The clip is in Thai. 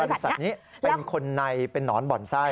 แล้วใช่บริษัทนี้เป็นคนในเป็นน้อนบ่อนไส้